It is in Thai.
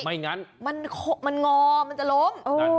ไม่งั้นมันงอมันจะล้ม